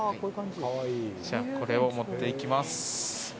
これを持っていきます。